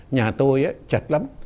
nhà tôi chật lắm